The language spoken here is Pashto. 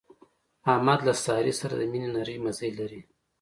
احمد له سارې سره د مینې نری مزی لري.